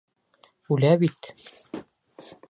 Үлә бит!